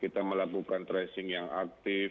kita melakukan tracing yang aktif